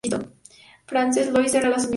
Frances Louise era la Sra.